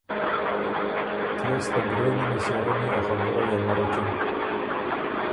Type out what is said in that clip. تیوس ته ګرېنی مݭېرنی ا خبُرئ امرک اِن۔